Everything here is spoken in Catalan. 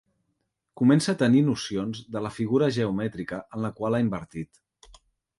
Comença a tenir nocions de la figura geomètrica en la qual ha invertiot.